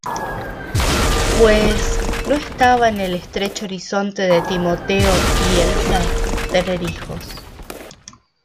Pues no estaba en el estrecho horizonte de Timoteo y Elsa tener hijos.